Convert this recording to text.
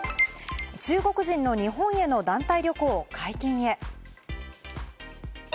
中国人の日本への団体旅行解禁へ。